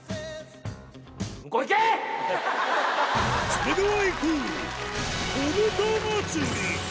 それではいこう！